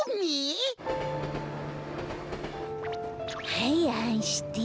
はいあんして。